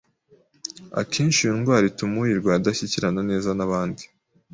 Akenshi iyo ndwara ituma uyirwaye adashyikirana neza n’abandi